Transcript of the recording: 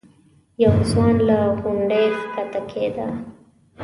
یو ځوان له غونډۍ ښکته کېده.